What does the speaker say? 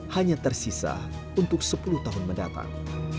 hanya tersisa untuk sepuluh tahun mendatang